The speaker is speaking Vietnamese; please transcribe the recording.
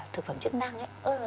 thực phẩm chức năng